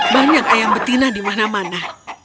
banyak ayam betina di mana mana